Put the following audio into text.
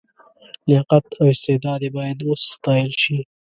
لیاقت او استعداد یې باید وستایل شي.